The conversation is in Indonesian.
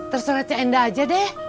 terus ngece endah aja deh